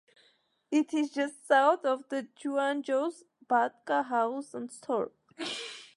It is just south of the Juan Jose Baca House and Store.